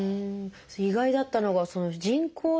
意外だったのが人工のね